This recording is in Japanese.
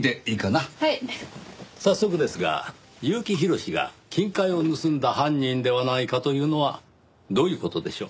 早速ですが結城宏が金塊を盗んだ犯人ではないかというのはどういう事でしょう？